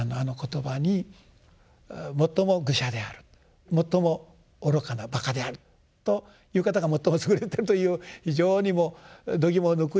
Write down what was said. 最も愚者である最も愚かなばかであるという方が最も優れてるという非常にもうどぎもを抜くようなですね